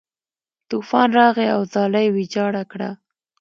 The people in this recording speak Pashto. طوفان راغی او ځاله یې ویجاړه کړه.